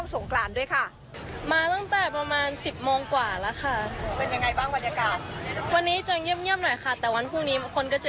สงการทุกปีนี้สนุกไหม